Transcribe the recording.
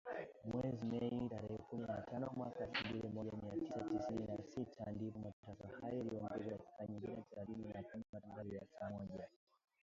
Mwezi Mei, tarehe kumi na tano, mwaka elfu moja mia tisa sitini na sita, ndipo matangazo hayo yaliongezewa dakika nyingine thelathini na kuwa matangazo ya saa moja.